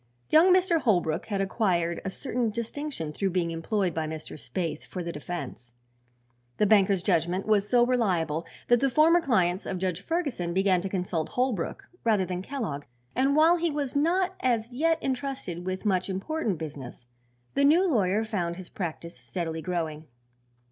Young Mr. Holbrook had acquired a certain distinction through being employed by Mr. Spaythe for the defense. The banker's judgment was so reliable that the former clients of Judge Ferguson began to consult Holbrook rather than Kellogg and while he was not as yet entrusted with much important business the new lawyer found his practice steadily growing.